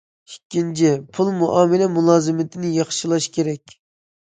ئىككىنچى، پۇل مۇئامىلە مۇلازىمىتىنى ياخشىلاش كېرەك.